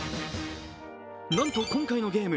なんと今回のゲーム